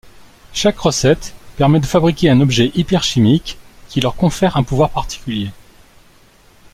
Chaque recette permet de fabriquer un objet hyperchimique qui leur confère un pouvoir particulier.